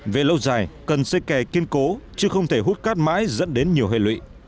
về lâu dài cần xây kè kiên cố chứ không thể hút cát mãi dẫn đến nhiều hệ lụy